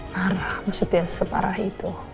parah maksudnya separah itu